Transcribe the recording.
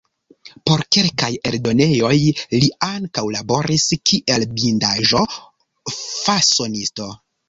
Por kelkaj eldonejoj li ankaŭ laboris kiel bindaĵo-fasonisto.